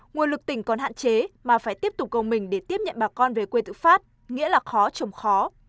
nguồn lực tỉnh còn hạn chế mà phải tiếp tục gồng mình để tiếp nhận bà con về quê tự phát nghĩa là khó trồng khó